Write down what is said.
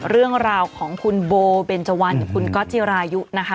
เรื่องราวของคุณโบเบนเจวันกับคุณก๊อตจิรายุนะคะ